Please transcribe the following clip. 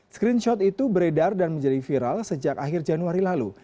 screenshot itu beredar dan menjadi viral sejak akhir januari lalu